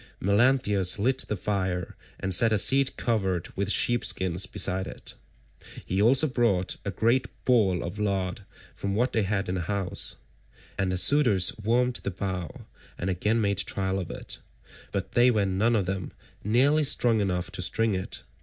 Melanthius lit the fire, and set a seat covered with sheep skins beside it. He also brought a great ball of lard from what they had in the house, and the suitors warmed the bow and again made trial of it, but they were none of them nearly strong enough to string it.